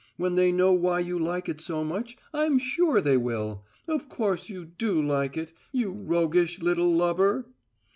When they know why you like it so much, I'm sure they will. Of course you do like it you roguish little lover!"